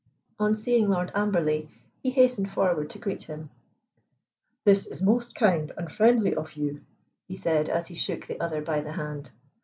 On seeing Lord Amberley he hastened forward to greet him. "This is most kind and friendly of you," he said, as he shook the other by the hand.